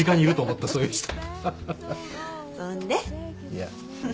いや。